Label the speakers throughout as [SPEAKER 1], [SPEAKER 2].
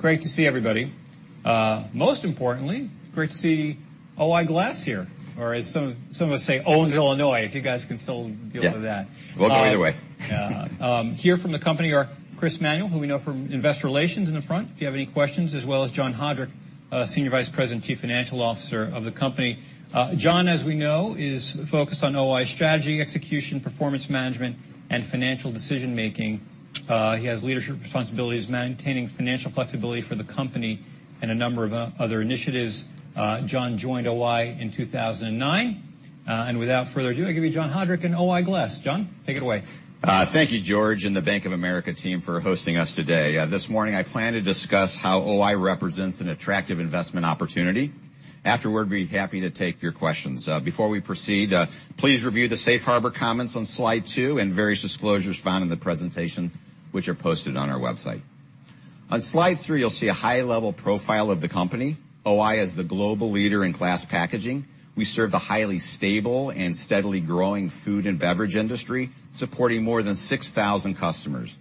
[SPEAKER 1] Great to see everybody. Most importantly, great to see O-I Glass here, or as some of us say, Owens-Illinois, if you guys can still deal with that.
[SPEAKER 2] Yeah. We'll go either way.
[SPEAKER 1] Here from the company are Chris Manuel, who we know from investor relations in the front, if you have any questions, as well as John Haudrich, Senior Vice President, Chief Financial Officer of the company. John, as we know, is focused on O-I's strategy, execution, performance management, and financial decision-making. He has leadership responsibilities maintaining financial flexibility for the company and a number of other initiatives. John joined O-I in 2009. Without further ado, I give you John Haudrich and O-I Glass. John, take it away.
[SPEAKER 2] Thank you, George, and the Bank of America team for hosting us today. This morning, I plan to discuss how O-I represents an attractive investment opportunity. Afterward, we'd be happy to take your questions. Before we proceed, please review the safe harbor comments on slide two and various disclosures found in the presentation, which are posted on our website. On slide three, you'll see a high-level profile of the company. O-I is the global leader in glass packaging. We serve the highly stable and steadily growing food and beverage industry, supporting more than 6,000 customers.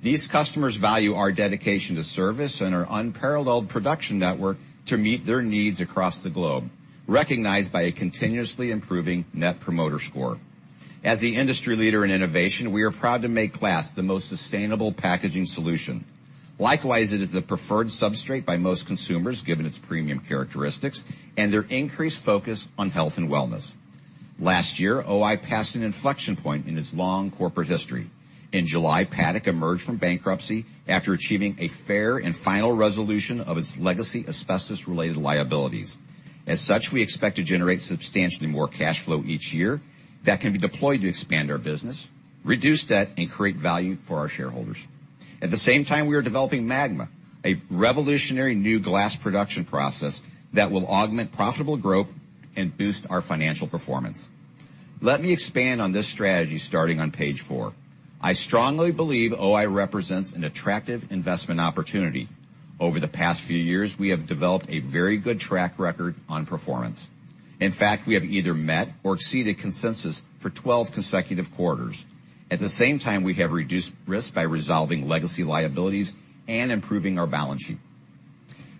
[SPEAKER 2] These customers value our dedication to service and our unparalleled production network to meet their needs across the globe, recognized by a continuously improving Net Promoter Score. As the industry leader in innovation, we are proud to make glass the most sustainable packaging solution. Likewise, it is the preferred substrate by most consumers given its premium characteristics and their increased focus on health and wellness. Last year, O-I passed an inflection point in its long corporate history. In July, Paddock emerged from bankruptcy after achieving a fair and final resolution of its legacy asbestos-related liabilities. As such, we expect to generate substantially more cash flow each year that can be deployed to expand our business, reduce debt, and create value for our shareholders. At the same time, we are developing MAGMA, a revolutionary new glass production process that will augment profitable growth and boost our financial performance. Let me expand on this strategy starting on page four. I strongly believe O-I represents an attractive investment opportunity. Over the past few years, we have developed a very good track record on performance. In fact, we have either met or exceeded consensus for twelve consecutive quarters. At the same time, we have reduced risk by resolving legacy liabilities and improving our balance sheet.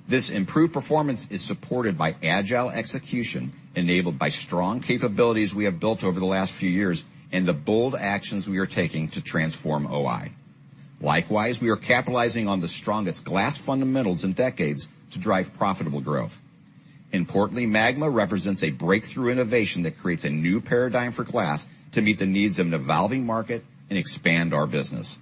[SPEAKER 2] This improved performance is supported by agile execution enabled by strong capabilities we have built over the last few years and the bold actions we are taking to transform O-I. Likewise, we are capitalizing on the strongest glass fundamentals in decades to drive profitable growth. Importantly, MAGMA represents a breakthrough innovation that creates a new paradigm for glass to meet the needs of an evolving market and expand our business.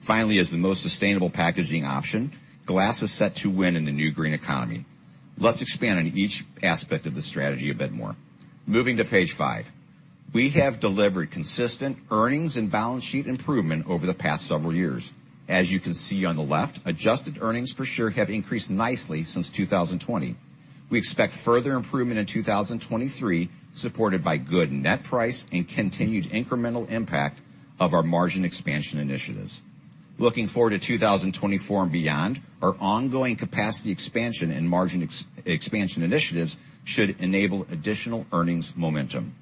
[SPEAKER 2] Finally, as the most sustainable packaging option, glass is set to win in the new green economy. Let's expand on each aspect of the strategy a bit more. Moving to page five. We have delivered consistent earnings and balance sheet improvement over the past several years. As you can see on the left, adjusted earnings per share have increased nicely since 2020. We expect further improvement in 2023, supported by good net price and continued incremental impact of our margin expansion initiatives. Looking forward to 2024 and beyond, our ongoing capacity expansion and margin expansion initiatives should enable additional earnings momentum.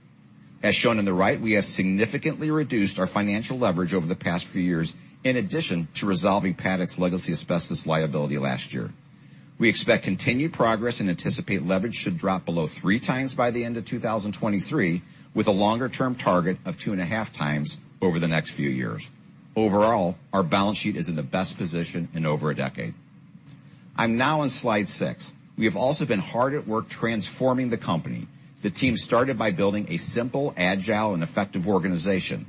[SPEAKER 2] As shown on the right, we have significantly reduced our financial leverage over the past few years in addition to resolving Paddock's legacy asbestos liability last year. We expect continued progress and anticipate leverage should drop below 3x by the end of 2023, with a longer-term target of 2.5x over the next few years. Our balance sheet is in the best position in over a decade. I'm now on slide six. We have also been hard at work transforming the company. The team started by building a simple, agile, and effective organization.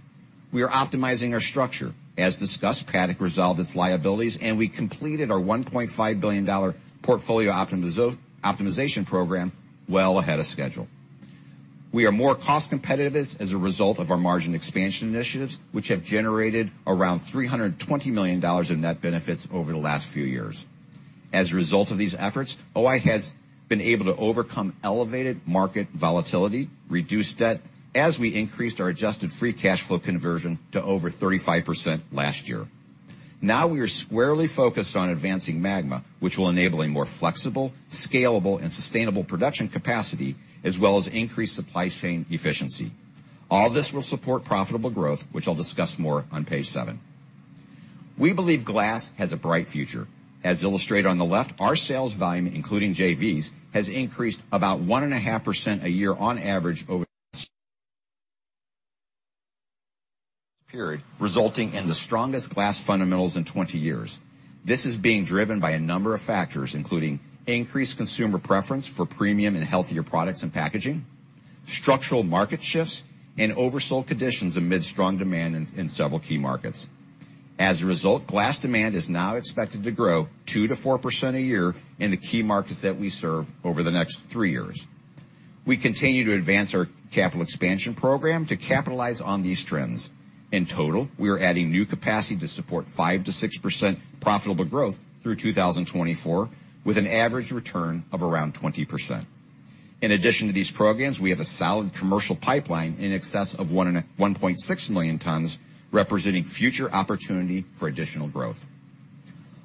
[SPEAKER 2] We are optimizing our structure. As discussed, Paddock resolved its liabilities, and we completed our $1.5 billion portfolio optimization program well ahead of schedule. We are more cost competitive as a result of our margin expansion initiatives, which have generated around $320 million in net benefits over the last few years. As a result of these efforts, O-I has been able to overcome elevated market volatility, reduce debt as we increased our adjusted free cash flow conversion to over 35% last year. We are squarely focused on advancing MAGMA, which will enable a more flexible, scalable, and sustainable production capacity as well as increased supply chain efficiency. All this will support profitable growth, which I'll discuss more on page seven. We believe glass has a bright future. As illustrated on the left, our sales volume, including JVs, has increased about 1.5% a year on average over this period, resulting in the strongest glass fundamentals in 20 years. This is being driven by a number of factors, including increased consumer preference for premium and healthier products and packaging, structural market shifts, and oversold conditions amid strong demand in several key markets. As a result, glass demand is now expected to grow 2%-4% a year in the key markets that we serve over the next three years. We continue to advance our capital expansion program to capitalize on these trends. In total, we are adding new capacity to support 5%-6% profitable growth through 2024, with an average return of around 20%. In addition to these programs, we have a solid commercial pipeline in excess of 1.6 million tn, representing future opportunity for additional growth.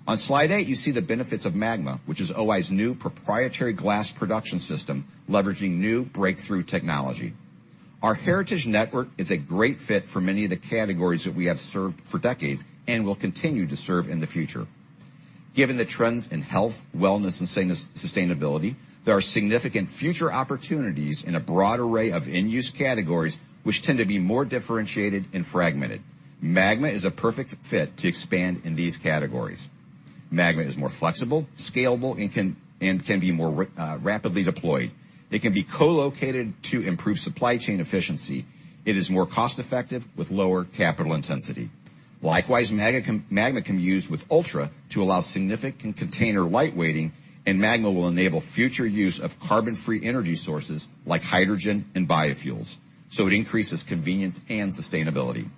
[SPEAKER 2] On slide eight, you see the benefits of MAGMA, which is O-I's new proprietary glass production system leveraging new breakthrough technology. Our Heritage network is a great fit for many of the categories that we have served for decades and will continue to serve in the future. Given the trends in health, wellness, and sustainability, there are significant future opportunities in a broad array of in-use categories, which tend to be more differentiated and fragmented. MAGMA is a perfect fit to expand in these categories. MAGMA is more flexible, scalable, and can be more rapidly deployed. It can be co-located to improve supply chain efficiency. It is more cost-effective with lower capital intensity. Likewise, MAGMA can be used with ULTRA to allow significant container lightweighting. MAGMA will enable future use of carbon-free energy sources like hydrogen and biofuels, it increases convenience and sustainability.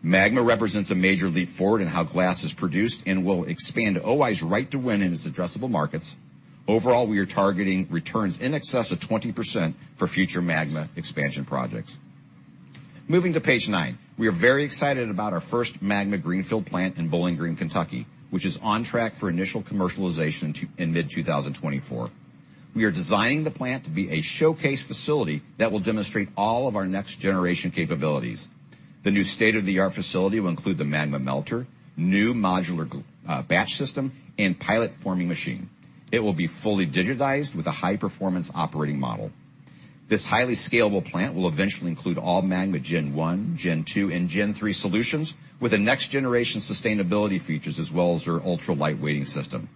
[SPEAKER 2] MAGMA represents a major leap forward in how glass is produced and will expand O-I's right to win in its addressable markets. Overall, we are targeting returns in excess of 20% for future MAGMA expansion projects. Moving to page nine. We are very excited about our first MAGMA greenfield plant in Bowling Green, Kentucky, which is on track for initial commercialization in mid-2024. We are designing the plant to be a showcase facility that will demonstrate all of our next-generation capabilities. The new state-of-the-art facility will include the MAGMA melter, new modular batch system, and pilot forming machine. It will be fully digitized with a high-performance operating model. This highly scalable plant will eventually include all MAGMA Gen 1, Gen 2, and Gen 3 solutions with the next-generation sustainability features as well as our ultra-lightweighting system.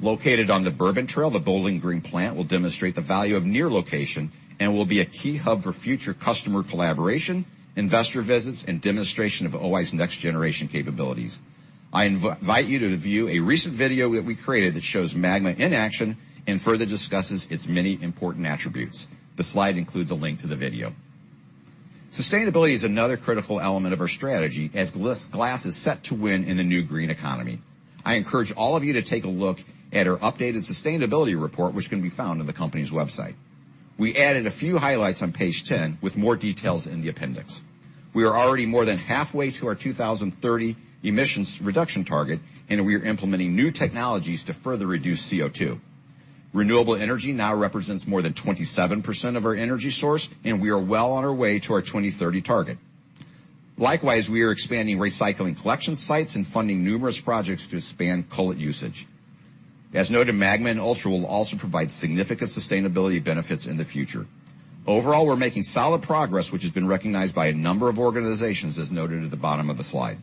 [SPEAKER 2] Located on the Bourbon Trail, the Bowling Green plant will demonstrate the value of near location and will be a key hub for future customer collaboration, investor visits, and demonstration of O-I's next-generation capabilities. I invite you to view a recent video that we created that shows MAGMA in action and further discusses its many important attributes. The slide includes a link to the video. Sustainability is another critical element of our strategy as glass is set to win in the new green economy. I encourage all of you to take a look at our updated sustainability report, which can be found on the company's website. We added a few highlights on page 10 with more details in the appendix. We are already more than halfway to our 2030 emissions reduction target. We are implementing new technologies to further reduce CO2. Renewable energy now represents more than 27% of our energy source, and we are well on our way to our 2030 target. We are expanding recycling collection sites and funding numerous projects to expand cullet usage. As noted, MAGMA and ULTRA will also provide significant sustainability benefits in the future. We're making solid progress, which has been recognized by a number of organizations, as noted at the bottom of the slide.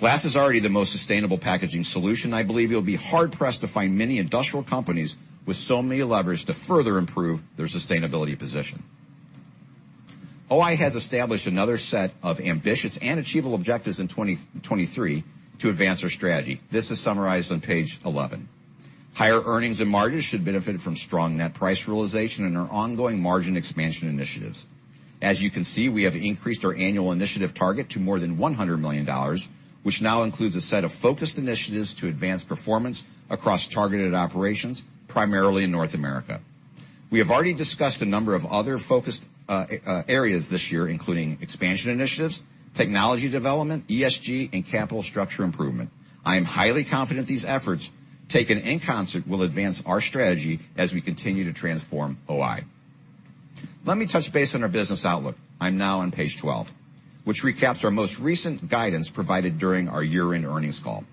[SPEAKER 2] Glass is already the most sustainable packaging solution. I believe you'll be hard pressed to find many industrial companies with so many levers to further improve their sustainability position. O-I has established another set of ambitious and achievable objectives in 2023 to advance our strategy. This is summarized on page 11. Higher earnings and margins should benefit from strong net price realization and our ongoing margin expansion initiatives. As you can see, we have increased our annual initiative target to more than $100 million, which now includes a set of focused initiatives to advance performance across targeted operations, primarily in North America. We have already discussed a number of other focused areas this year, including expansion initiatives, technology development, ESG, and capital structure improvement. I am highly confident these efforts, taken in concert, will advance our strategy as we continue to transform O-I. Let me touch base on our business outlook, I'm now on page 12, which recaps our most recent guidance provided during our year-end earnings call.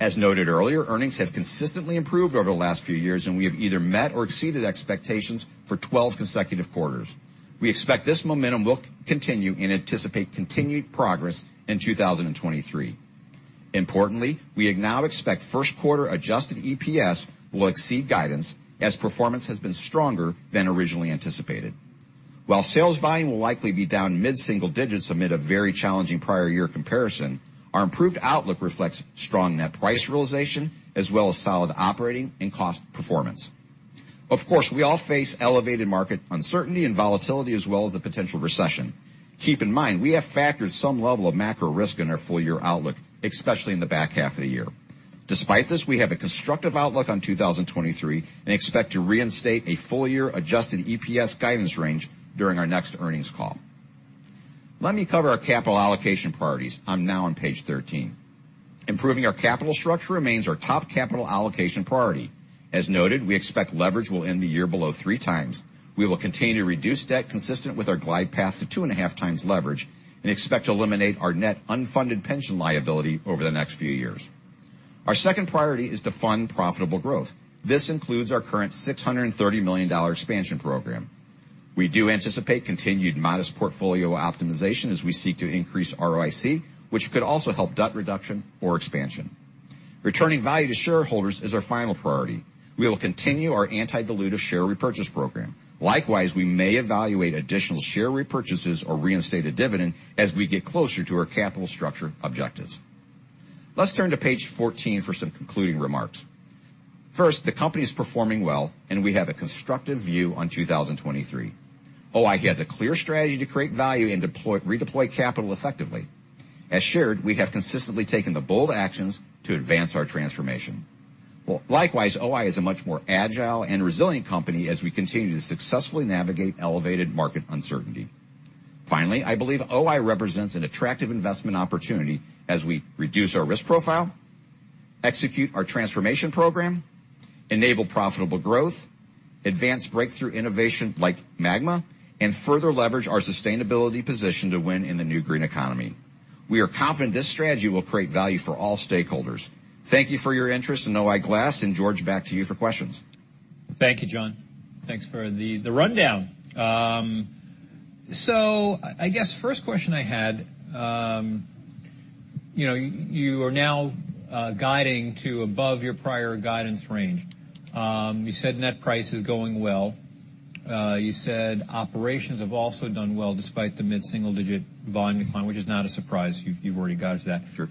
[SPEAKER 2] As noted earlier, earnings have consistently improved over the last few years, and we have either met or exceeded expectations for 12 consecutive quarters. We expect this momentum will continue and anticipate continued progress in 2023. Importantly, we now expect first quarter adjusted EPS will exceed guidance as performance has been stronger than originally anticipated. While sales volume will likely be down mid-single digits amid a very challenging prior year comparison, our improved outlook reflects strong net price realization as well as solid operating and cost performance. Of course, we all face elevated market uncertainty and volatility as well as a potential recession. Keep in mind, we have factored some level of macro risk in our full year outlook, especially in the back half of the year. Despite this, we have a constructive outlook on 2023 and expect to reinstate a full year adjusted EPS guidance range during our next earnings call. Let me cover our capital allocation priorities. I'm now on page 13. Improving our capital structure remains our top capital allocation priority. As noted, we expect leverage will end the year below 3x. We will continue to reduce debt consistent with our glide path to 2.5x leverage and expect to eliminate our net unfunded pension liability over the next few years. Our second priority is to fund profitable growth. This includes our current $630 million expansion program. We do anticipate continued modest portfolio optimization as we seek to increase ROIC, which could also help debt reduction or expansion. Returning value to shareholders is our final priority. We will continue our anti-dilutive share repurchase program. Likewise, we may evaluate additional share repurchases or reinstate a dividend as we get closer to our capital structure objectives. Let's turn to page 14 for some concluding remarks. First, the company is performing well, and we have a constructive view on 2023. O-I has a clear strategy to create value and redeploy capital effectively. As shared, we have consistently taken the bold actions to advance our transformation. Likewise, O-I is a much more agile and resilient company as we continue to successfully navigate elevated market uncertainty. Finally, I believe O-I represents an attractive investment opportunity as we reduce our risk profile, execute our transformation program, enable profitable growth, advance breakthrough innovation like MAGMA, and further leverage our sustainability position to win in the new green economy. We are confident this strategy will create value for all stakeholders. Thank you for your interest in O-I Glass. George, back to you for questions.
[SPEAKER 1] Thank you, John. Thanks for the rundown. I guess first question I had, you know, you are now guiding to above your prior guidance range. You said net price is going well. You said operations have also done well despite the mid-single digit volume decline, which is not a surprise, you've already guided to that.
[SPEAKER 2] Sure.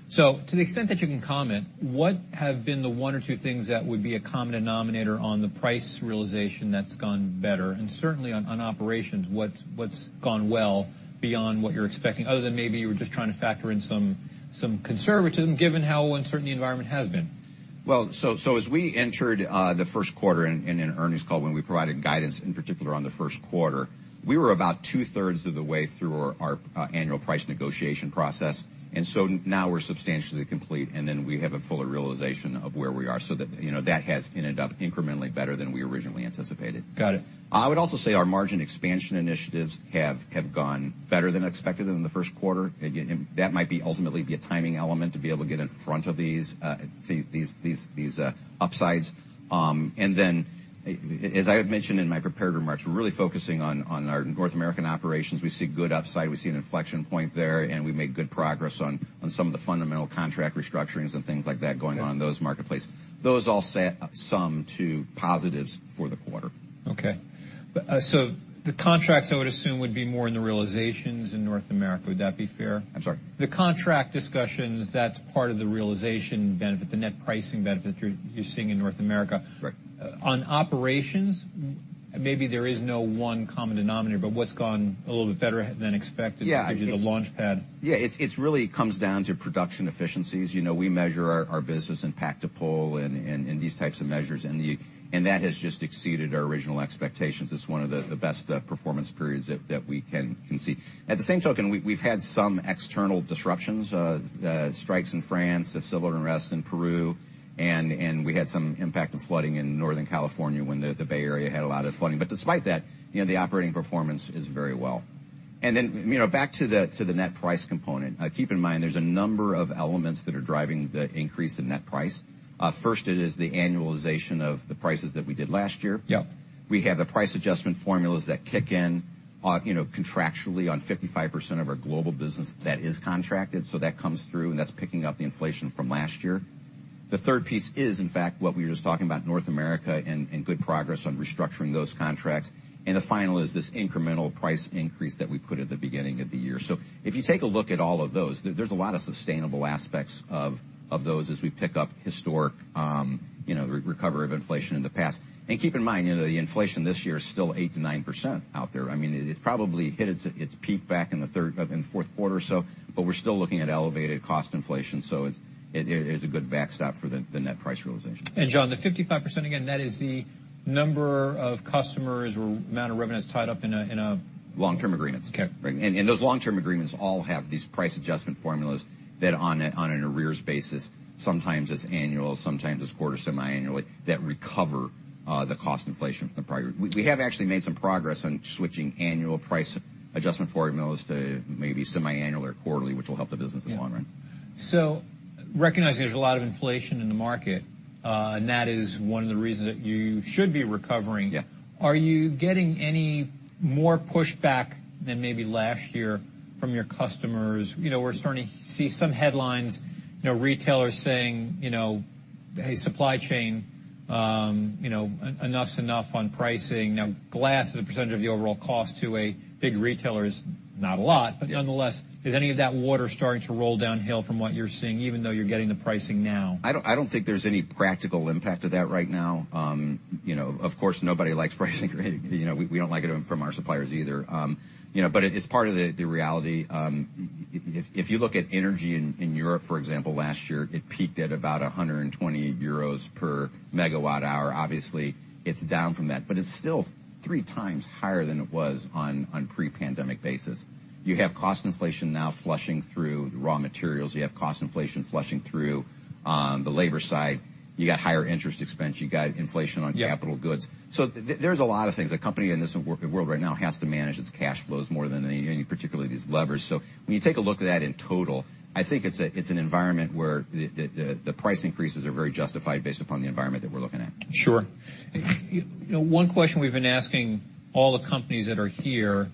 [SPEAKER 1] To the extent that you can comment, what have been the one or two things that would be a common denominator on the price realization that's gone better, and certainly on operations, what's gone well beyond what you're expecting, other than maybe you were just trying to factor in some conservatism given how uncertain the environment has been?
[SPEAKER 2] As we entered the first quarter in earnings call when we provided guidance, in particular on the first quarter, we were about two-thirds of the way through our annual price negotiation process. Now we're substantially complete, and then we have a fuller realization of where we are. You know, that has ended up incrementally better than we originally anticipated.
[SPEAKER 1] Got it.
[SPEAKER 2] I would also say our margin expansion initiatives have gone better than expected in the first quarter. That might be ultimately be a timing element to be able to get in front of these upsides. As I had mentioned in my prepared remarks, we're really focusing on our North American operations. We see good upside, we see an inflection point there, and we made good progress on some of the fundamental contract restructurings and things like that going on in those marketplace. Those all set some to positives for the quarter.
[SPEAKER 1] The contracts I would assume would be more in the realizations in North America. Would that be fair?
[SPEAKER 2] I'm sorry.
[SPEAKER 1] The contract discussions, that's part of the realization benefit, the net pricing benefit you're seeing in North America.
[SPEAKER 2] Right.
[SPEAKER 1] On operations, maybe there is no one common denominator, but what's gone a little bit better than expected.
[SPEAKER 2] Yeah.
[SPEAKER 1] To give you the launchpad?
[SPEAKER 2] Yeah, it's really comes down to production efficiencies. You know, we measure our business in Pack to Melt and these types of measures. That has just exceeded our original expectations. It's one of the best performance periods that we can see. At the same token, we've had some external disruptions, strikes in France, the civil unrest in Peru, and we had some impact of flooding in Northern California when the Bay Area had a lot of flooding. Despite that, you know, the operating performance is very well. You know, back to the net price component, keep in mind, there's a number of elements that are driving the increase in net price. First, it is the annualization of the prices that we did last year.
[SPEAKER 1] Yeah.
[SPEAKER 2] We have the price adjustment formulas that kick in, you know, contractually on 55% of our global business that is contracted. That comes through, and that's picking up the inflation from last year. The third piece is, in fact, what we were just talking about, North America and good progress on restructuring those contracts. The final is this incremental price increase that we put at the beginning of the year. If you take a look at all of those, there's a lot of sustainable aspects of those as we pick up historic, you know, recovery of inflation in the past. Keep in mind, you know, the inflation this year is still 8%-9% out there. I mean, it's probably hit its peak back in the fourth quarter or so, but we're still looking at elevated cost inflation. It, there is a good backstop for the net price realization.
[SPEAKER 1] John, the 55%, again, that is the number of customers or amount of revenue that's tied up in a.
[SPEAKER 2] Long-term agreements.
[SPEAKER 1] Okay.
[SPEAKER 2] Those long-term agreements all have these price adjustment formulas that on a, on an arrears basis, sometimes it's annual, sometimes it's quarter, semi-annually, that recover the cost inflation from the prior year. We have actually made some progress on switching annual price adjustment formulas to maybe semi-annual or quarterly, which will help the business in the long run.
[SPEAKER 1] Recognizing there's a lot of inflation in the market, and that is one of the reasons that you should be recovering.
[SPEAKER 2] Yeah.
[SPEAKER 1] Are you getting any more pushback than maybe last year from your customers? You know, we're starting to see some headlines, you know, retailers saying, you know, "Hey, supply chain, you know, enough's enough on pricing." Glass as a percentage of the overall cost to a big retailer is not a lot.
[SPEAKER 2] Yeah.
[SPEAKER 1] Nonetheless, is any of that water starting to roll downhill from what you're seeing, even though you're getting the pricing now?
[SPEAKER 2] I don't think there's any practical impact of that right now. You know, of course, nobody likes pricing. You know, we don't like it from our suppliers either. You know, it's part of the reality. If you look at energy in Europe, for example, last year, it peaked at about 120 euros per MWh. Obviously, it's down from that, but it's still 3x higher than it was on pre-pandemic basis. You have cost inflation now flushing through raw materials. You have cost inflation flushing through the labor side. You got higher interest expense. You got inflation on capital goods.
[SPEAKER 1] Yeah.
[SPEAKER 2] There's a lot of things. A company in this world right now has to manage its cash flows more than any, particularly these levers. When you take a look at that in total, I think it's an environment where the price increases are very justified based upon the environment that we're looking at.
[SPEAKER 1] Sure. You know, one question we've been asking all the companies that are here,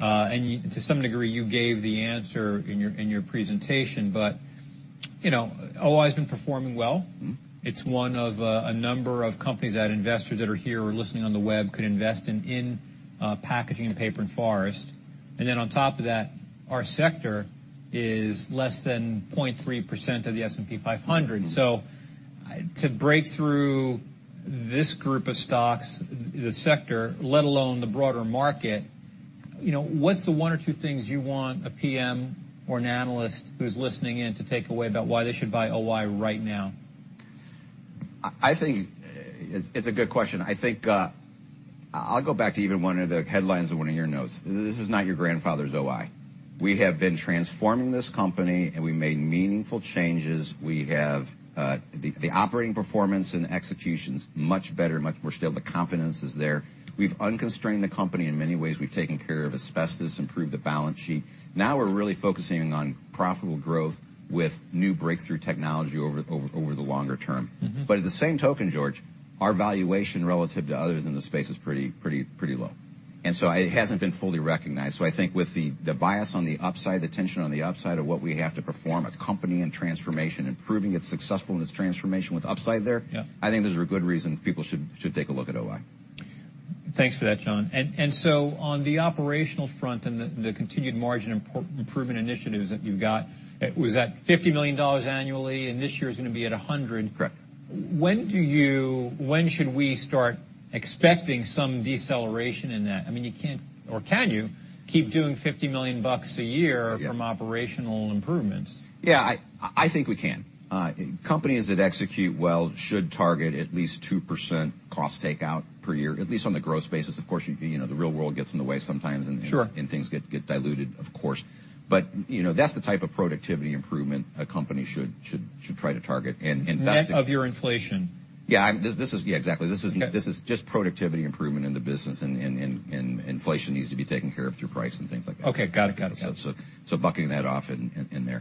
[SPEAKER 1] and to some degree, you gave the answer in your, in your presentation, but, you know, O-I's been performing well.
[SPEAKER 2] Mm-hmm.
[SPEAKER 1] It's one of a number of companies that investors that are here or listening on the web could invest in packaging and paper and forest. On top of that, our sector is less than 0.3% of the S&P 500.
[SPEAKER 2] Mm-hmm.
[SPEAKER 1] To break through this group of stocks, the sector, let alone the broader market, you know, what's the one or two things you want a PM or an analyst who's listening in to take away about why they should buy O-I right now?
[SPEAKER 2] I think it's a good question. I think I'll go back to even one of the headlines in one of your notes. This is not your grandfather's O-I. We have been transforming this company, and we made meaningful changes. We have the operating performance and execution's much better, much more stable. The confidence is there. We've unconstrained the company in many ways. We've taken care of asbestos, improved the balance sheet. Now we're really focusing on profitable growth with new breakthrough technology over the longer term.
[SPEAKER 1] Mm-hmm.
[SPEAKER 2] At the same token, George, our valuation relative to others in the space is pretty, pretty low. It hasn't been fully recognized. I think with the bias on the upside, the tension on the upside of what we have to perform, a company in transformation and proving it's successful in its transformation with upside there...
[SPEAKER 1] Yeah.
[SPEAKER 2] I think those are good reasons people should take a look at O-I.
[SPEAKER 1] Thanks for that, John. On the operational front and the continued margin improvement initiatives that you've got, was that $50 million annually, and this year it's gonna be at $100 million?
[SPEAKER 2] Correct.
[SPEAKER 1] When should we start expecting some deceleration in that? I mean, you can't, or can you, keep doing $50 million a year-
[SPEAKER 2] Yeah.
[SPEAKER 1] -from operational improvements?
[SPEAKER 2] Yeah, I think we can. Companies that execute well should target at least 2% cost takeout per year, at least on the growth basis. Of course, you know, the real world gets in the way sometimes.
[SPEAKER 1] Sure.
[SPEAKER 2] -and things get diluted, of course. You know, that's the type of productivity improvement a company should try to target.
[SPEAKER 1] Net of your inflation.
[SPEAKER 2] Yeah. This is... Yeah, exactly.
[SPEAKER 1] Okay.
[SPEAKER 2] This is just productivity improvement in the business, and inflation needs to be taken care of through price and things like that.
[SPEAKER 1] Okay. Got it, got it, got it.
[SPEAKER 2] bucking that off in there.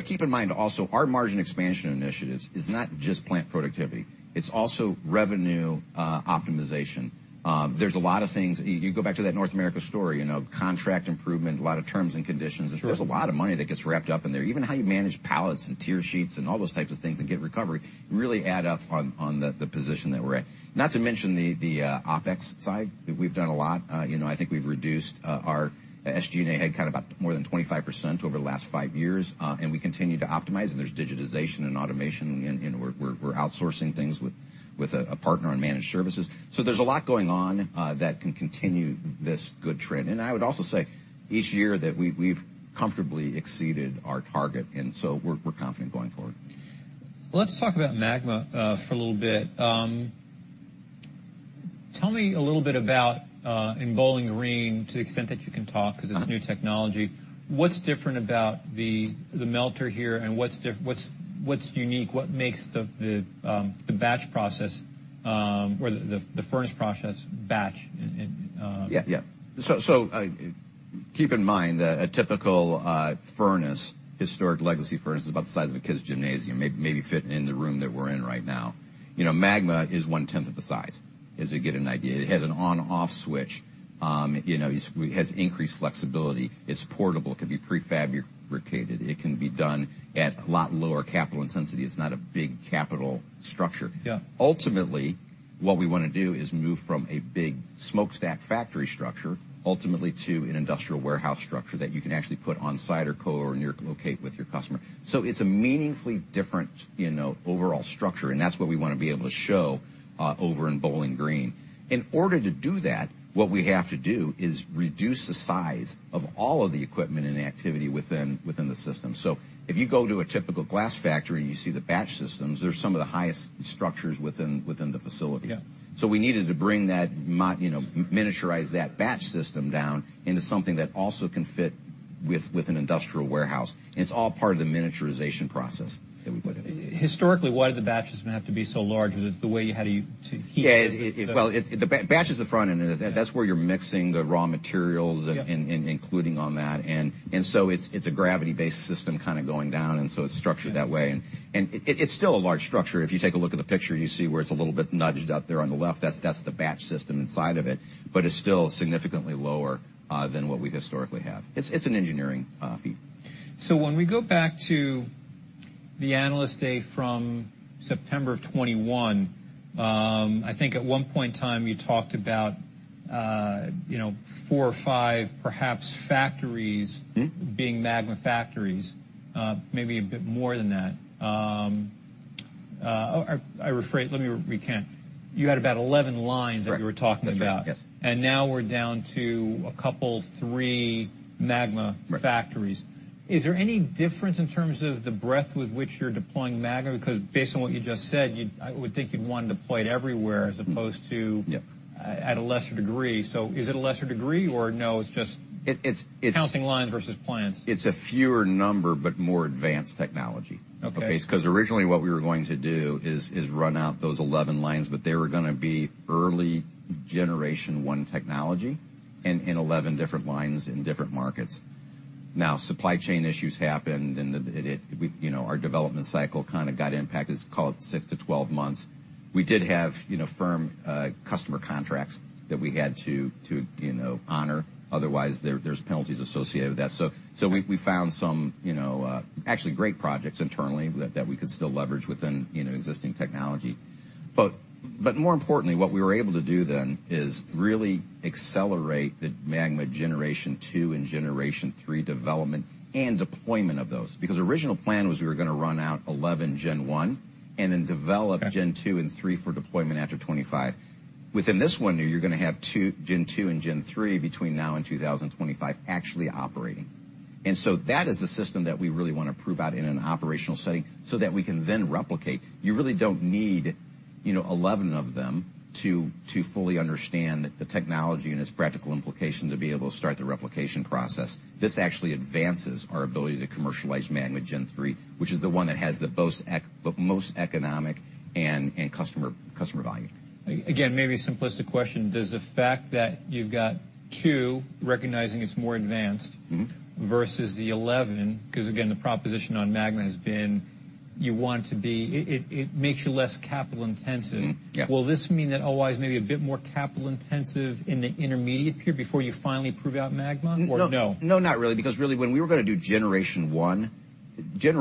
[SPEAKER 2] Keep in mind also our margin expansion initiatives is not just plant productivity. It's also revenue optimization. There's a lot of things. You go back to that North America story, you know, contract improvement, a lot of terms and conditions.
[SPEAKER 1] Sure.
[SPEAKER 2] There's a lot of money that gets wrapped up in there. Even how you manage pallets and tier sheets and all those types of things and get recovery really add up on the position that we're in. Not to mention the OpEx side, we've done a lot. you know, I think we've reduced our SG&A head count about more than 25% over the last five years, and we continue to optimize, and there's digitization and automation, and we're outsourcing things with a partner on managed services. There's a lot going on that can continue this good trend. I would also say each year that we've comfortably exceeded our target, we're confident going forward.
[SPEAKER 1] Let's talk about MAGMA for a little bit. Tell me a little bit about in Bowling Green, to the extent that you can.
[SPEAKER 2] Uh-huh.
[SPEAKER 1] -because it's new technology, what's different about the melter here, and what's unique? What makes the batch process, or the furnace process batch in?
[SPEAKER 2] Yeah. Yeah. Keep in mind that a typical furnace, historic legacy furnace is about the size of a kid's gymnasium, maybe fit in the room that we're in right now. You know, MAGMA is 1/10 of the size, as you get an idea. It has an on/off switch. You know, it has increased flexibility. It's portable. It can be prefabricated. It can be done at a lot lower capital intensity. It's not a big capital structure.
[SPEAKER 1] Yeah.
[SPEAKER 2] Ultimately, what we wanna do is move from a big smokestack factory structure ultimately to an industrial warehouse structure that you can actually put on-site or co-locate with your customer. It's a meaningfully different, you know, overall structure, and that's what we wanna be able to show over in Bowling Green. In order to do that, what we have to do is reduce the size of all of the equipment and activity within the system. If you go to a typical glass factory and you see the batch systems, they're some of the highest structures within the facility.
[SPEAKER 1] Yeah.
[SPEAKER 2] We needed to bring that, you know, miniaturize that batch system down into something that also can fit with an industrial warehouse. It's all part of the miniaturization process that we put in.
[SPEAKER 1] Historically, why did the batches have to be so large? Was it the way you had to heat them?
[SPEAKER 2] Yeah. Well, it's the batch is the front end. That's where you're mixing the raw materials...
[SPEAKER 1] Yeah.
[SPEAKER 2] -in-and including on that. It's a gravity-based system kinda going down, and so it's structured that way.
[SPEAKER 1] Yeah.
[SPEAKER 2] It's still a large structure. If you take a look at the picture, you see where it's a little bit nudged up there on the left. That's the batch system inside of it. It's still significantly lower than what we historically have. It's an engineering feat.
[SPEAKER 1] When we go back to the Analyst Day from September of 2021, I think at one point in time, you talked about, you know, four or five perhaps factories.
[SPEAKER 2] Mm-hmm.
[SPEAKER 1] -being MAGMA factories, maybe a bit more than that. I rephrase. Let me recant. You had about 11 lines.
[SPEAKER 2] Correct.
[SPEAKER 1] that you were talking about.
[SPEAKER 2] That's right. Yes.
[SPEAKER 1] Now we're down to a couple, three.
[SPEAKER 2] Right.
[SPEAKER 1] -factories. Is there any difference in terms of the breadth with which you're deploying MAGMA? Because based on what you just said, I would think you'd want to deploy it everywhere-
[SPEAKER 2] Mm-hmm.
[SPEAKER 1] as opposed to
[SPEAKER 2] Yeah.
[SPEAKER 1] at a lesser degree. Is it a lesser degree, or no, it's just-
[SPEAKER 2] It's.
[SPEAKER 1] counting lines versus plants?
[SPEAKER 2] It's a fewer number, but more advanced technology.
[SPEAKER 1] Okay.
[SPEAKER 2] Okay? 'Cause originally, what we were going to do is run out those 11 lines, but they were gonna be early Generation 1 technology in 11 different lines in different markets. Supply chain issues happened, and you know, our development cycle kinda got impacted, call it 6-12 months. We did have, you know, firm customer contracts that we had to honor. Otherwise, there's penalties associated with that. We, we found some, you know, actually great projects internally that we could still leverage within, you know, existing technology. More importantly, what we were able to do then is really accelerate the MAGMA Generation 2 and Generation 3 development and deployment of those. Original plan was we were gonna run out 11 Gen 1 and then develop.
[SPEAKER 1] Okay.
[SPEAKER 2] Gen 2 and 3 for deployment after 2025. Witin this one year, you're gonna have Gen 2 and Gen 3 between now and 2025 actually operating. That is the system that we really wanna prove out in an operational setting so that we can then replicate. You really don't need, you know, 11 of them to fully understand the technology and its practical implication to be able to start the replication process. This actually advances our ability to commercialize MAGMA Gen 3, which is the one that has the most economic and customer value.
[SPEAKER 1] Maybe a simplistic question. Does the fact that you've got two, recognizing it's more advanced-
[SPEAKER 2] Mm-hmm.
[SPEAKER 1] -versus the 11, 'cause again, the proposition on MAGMA has been It makes you less capital intensive.
[SPEAKER 2] Mm-hmm. Yeah.
[SPEAKER 1] Will this mean that O-I's maybe a bit more capital intensive in the intermediate period before you finally prove out MAGMA or no?
[SPEAKER 2] No, not really. Really when we were going to do Generation 1, maybe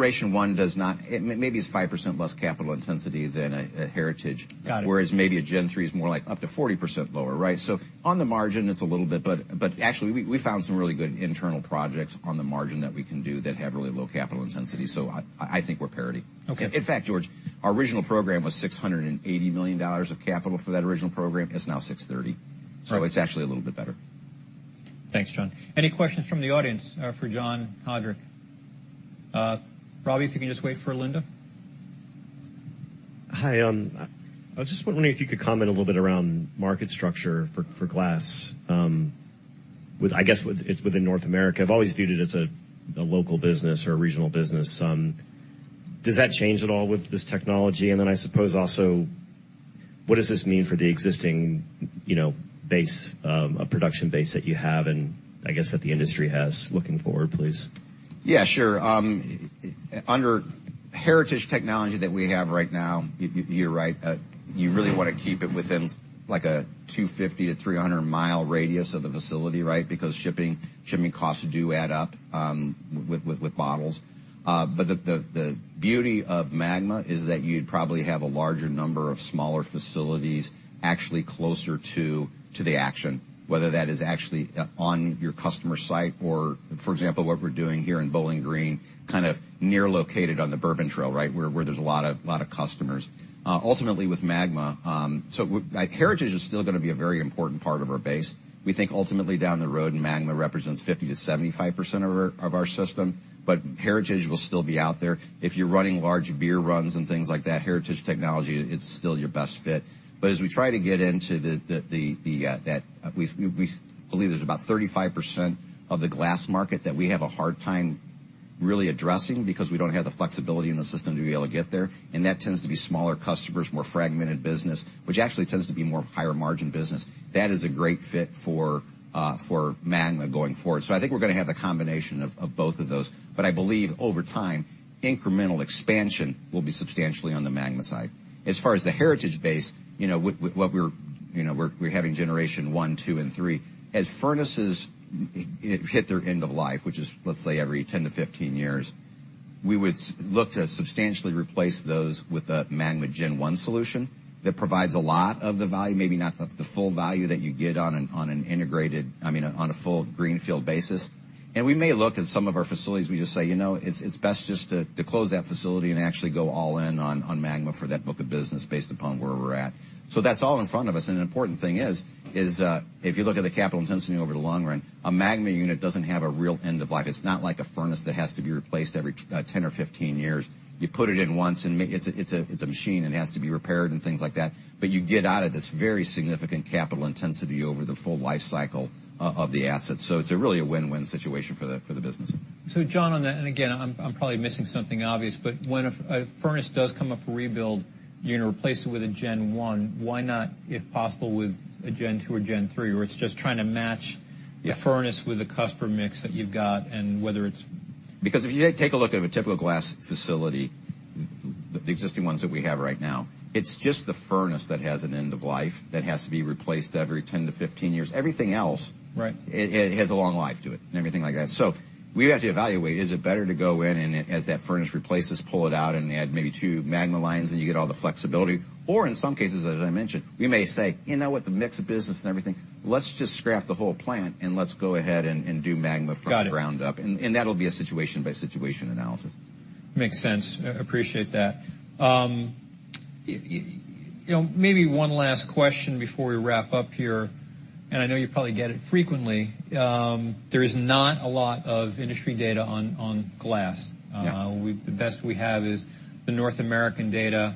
[SPEAKER 2] it's 5% less capital intensity than a Heritage.
[SPEAKER 1] Got it.
[SPEAKER 2] Maybe a Generation 3 is more like up to 40% lower, right? On the margin, it's a little bit, but actually we found some really good internal projects on the margin that we can do that have really low capital intensity. I think we're parity.
[SPEAKER 1] Okay.
[SPEAKER 2] George, our original program was $680 million of capital for that original program. It's now $630 million. It's actually a little bit better.
[SPEAKER 1] Thanks, John. Any questions from the audience for John Haudrich? Robbie, if you can just wait for Linda.
[SPEAKER 3] Hi. I was just wondering if you could comment a little bit around market structure for glass, I guess it's within North America. I've always viewed it as a local business or a regional business. Does that change at all with this technology? I suppose also what does this mean for the existing, you know, base, a production base that you have and I guess that the industry has looking forward, please?
[SPEAKER 2] Yeah, sure. Under Heritage technology that we have right now, you're right. You really wanna keep it within like a 250 mi-300 mi radius of the facility, right? Shipping costs do add up with bottles. The beauty of MAGMA is that you'd probably have a larger number of smaller facilities actually closer to the action, whether that is actually on your customer site or, for example, what we're doing here in Bowling Green, kind of near located on the Bourbon Trail, right? Where there's a lot of customers. Ultimately with MAGMA, Heritage is still gonna be a very important part of our base. We think ultimately down the road, MAGMA represents 50%-75% of our system. Heritage will still be out there. If you're running large beer runs and things like that, Heritage technology, it's still your best fit. As we try to get into the. We believe there's about 35% of the glass market that we have a hard time really addressing because we don't have the flexibility in the system to be able to get there, and that tends to be smaller customers, more fragmented business, which actually tends to be more higher margin business. That is a great fit for MAGMA going forward. I think we're gonna have the combination of both of those. I believe over time, incremental expansion will be substantially on the MAGMA side. As far as the Heritage base, you know, what we're, you know, we're having Generation 1, 2, and 3. As furnaces hit their end of life, which is, let's say every 10-15 years, we would look to substantially replace those with a MAGMA Gen 1 solution that provides a lot of the value, maybe not the full value that you get on an, on an integrated, I mean, on a full greenfield basis. We may look at some of our facilities, we just say, "You know, it's best just to close that facility and actually go all in on MAGMA for that book of business based upon where we're at." That's all in front of us. The important thing is, if you look at the capital intensity over the long run, a MAGMA unit doesn't have a real end of life. It's not like a furnace that has to be replaced every 10 or 15 years. You put it in once, and It's a machine and has to be repaired and things like that, but you get out of this very significant capital intensity over the full life cycle of the asset. It's really a win-win situation for the business.
[SPEAKER 1] John, on that, and again, I'm probably missing something obvious, but when a furnace does come up for rebuild, you're gonna replace it with a Gen 1. Why not, if possible, with a Gen 2 or Gen 3? Or it's just trying to match...
[SPEAKER 2] Yeah.
[SPEAKER 1] a furnace with a customer mix that you've got and whether it's.
[SPEAKER 2] If you take a look at a typical glass facility, the existing ones that we have right now, it's just the furnace that has an end of life, that has to be replaced every 10-15 years. Everything else.
[SPEAKER 1] Right.
[SPEAKER 2] It has a long life to it and everything like that. We have to evaluate, is it better to go in and as that furnace replaces, pull it out and add maybe two MAGMA lines, and you get all the flexibility. In some cases, as I mentioned, we may say, "You know what? The mix of business and everything, let's just scrap the whole plant and let's go ahead and do MAGMA from...
[SPEAKER 1] Got it.
[SPEAKER 2] the ground up." That'll be a situation by situation analysis.
[SPEAKER 1] Makes sense. Appreciate that. you know, maybe one last question before we wrap up here, I know you probably get it frequently. There is not a lot of industry data on glass.
[SPEAKER 2] Yeah.
[SPEAKER 1] We the best we have is the North American data.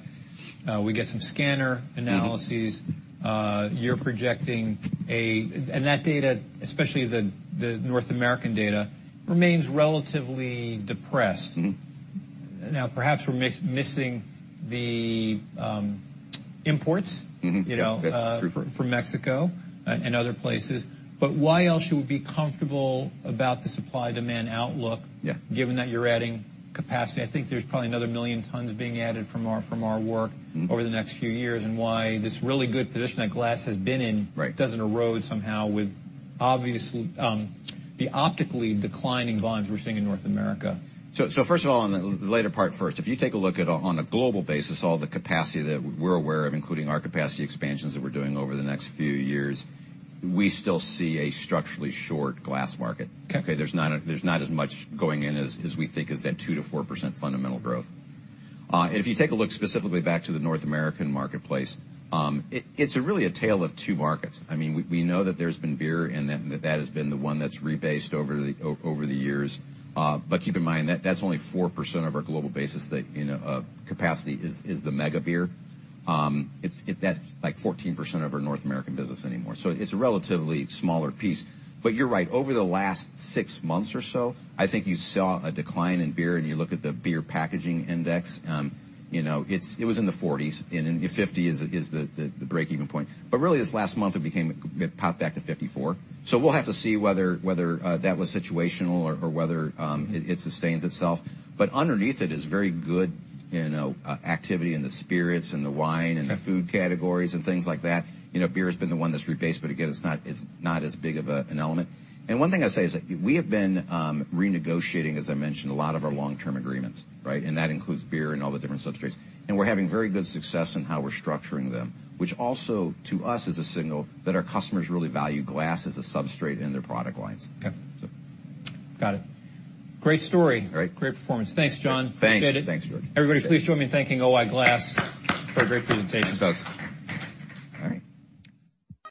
[SPEAKER 1] We get some scanner analyses.
[SPEAKER 2] Mm-hmm.
[SPEAKER 1] You're projecting and that data, especially the North American data, remains relatively depressed.
[SPEAKER 2] Mm-hmm.
[SPEAKER 1] perhaps we're missing the imports...
[SPEAKER 2] Mm-hmm.
[SPEAKER 1] you know.
[SPEAKER 2] That's true for-.
[SPEAKER 1] from Mexico and other places. why else you would be comfortable about the supply-demand outlook.
[SPEAKER 2] Yeah.
[SPEAKER 1] given that you're adding capacity? I think there's probably another million tons being added from our.
[SPEAKER 2] Mm-hmm.
[SPEAKER 1] over the next few years, and why this really good position that glass has been in.
[SPEAKER 2] Right.
[SPEAKER 1] Doesn't erode somehow with obviously, the optically declining volumes we're seeing in North America.
[SPEAKER 2] First of all, on the later part first. If you take a look at on a global basis, all the capacity that we're aware of, including our capacity expansions that we're doing over the next few years, we still see a structurally short glass market.
[SPEAKER 1] Okay.
[SPEAKER 2] There's not as much going in as we think is that 2%-4% fundamental growth. If you take a look specifically back to the North American marketplace, it's really a tale of two markets. I mean, we know that there's been beer and that has been the one that's rebased over the years. Keep in mind, that's only 4% of our global basis that, you know, capacity is the mega beer. That's like 14% of our North American business anymore. It's a relatively smaller piece. You're right. Over the last six months or so, I think you saw a decline in beer. You look at the beer packaging index, you know, it was in the 40s, and 50 is the break-even point. Really this last month it popped back to 54. We'll have to see whether that was situational or whether it sustains itself. Underneath it is very good, you know, activity in the spirits and the wine and the food categories and things like that. You know, beer has been the one that's rebased. Again, it's not as big of an element. One thing I say is that we have been renegotiating, as I mentioned, a lot of our long-term agreements, right? That includes beer and all the different substrates. We're having very good success in how we're structuring them, which also to us is a signal that our customers really value glass as a substrate in their product lines.
[SPEAKER 1] Okay. Got it. Great story.
[SPEAKER 2] All right.
[SPEAKER 1] Great performance. Thanks, John.
[SPEAKER 2] Thanks.
[SPEAKER 1] Appreciate it.
[SPEAKER 2] Thanks, George.
[SPEAKER 1] Everybody, please join me in thanking O-I Glass for a great presentation.
[SPEAKER 2] Thanks. All right.